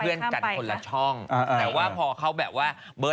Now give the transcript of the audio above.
ลูกกิ๊กดาราเหรอ